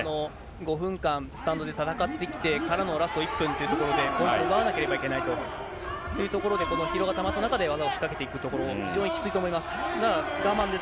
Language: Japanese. ５分間、スタンドで戦ってきてからのラスト１分ということで、ポイント奪わなければいけないということで、この疲労がたまった中で技を仕掛けていくところ、非常にきついと思います。